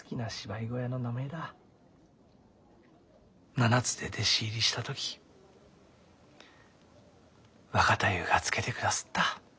７つで弟子入りした時若太夫が付けてくだすった。